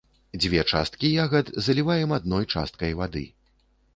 Дзве часткі ягад заліваем адной часткай вады.